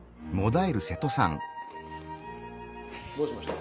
どうしました？